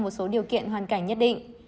một số điều kiện hoàn cảnh nhất định